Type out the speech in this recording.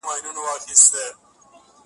هم ښادۍ یې وې لیدلي هم غمونه.!